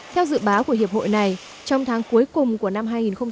theo dự báo của hiệp hội này trong tháng cuối cùng của năm hai nghìn một mươi bảy